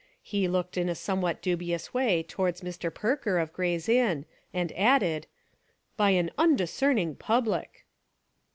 He looked in a somewhat dubious way towards Mr. Perker of Gray's Inn, and added: "— by an undiscerning public."